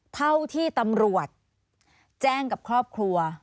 เท่าที่ตำรวจแจ้งกับครอบครัว